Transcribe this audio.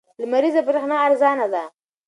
لمریزه برېښنا ارزانه ده.